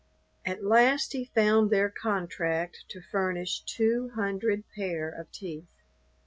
At last he found their contract to furnish two hundred pair of teeth.